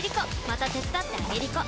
また手伝ってあげりこ！